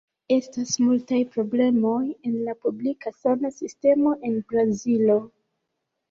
Estas multaj problemoj en la publika sana sistemo en Brazilo.